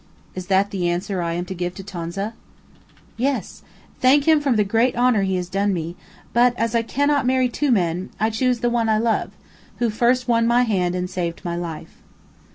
"Is that the answer I am to give Tonza?" "Yes. Thank him for the great honor he has done me; but, as I cannot marry two men, I choose the one I love who first won my hand and saved my life."